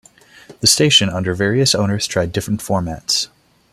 The station, under various owners, tried different formats.